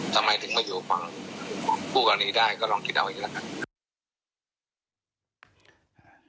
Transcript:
ทำไมถึงถึงไม่อยู่มาผู้การหนีได้ก็ลองคิดเอาอีกละ